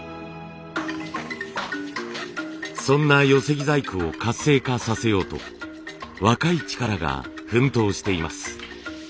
そんな寄木細工を活性化させようと若い力が奮闘しています。